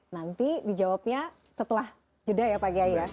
nanti dijawabnya setelah jeda ya pak kiai ya